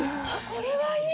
これはいい。